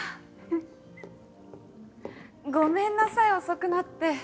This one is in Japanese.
ごめんなさい遅くなって。